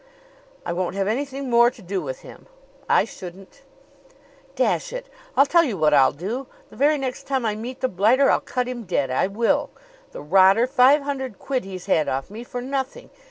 "I won't have anything more to do with him." "I shouldn't." "Dash it, I'll tell you what I'll do. The very next time I meet the blighter, I'll cut him dead. I will! The rotter! Five hundred quid he's had off me for nothing!